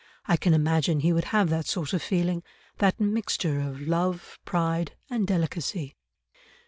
I can imagine he would have that sort of feeling—that mixture of love, pride, and delicacy."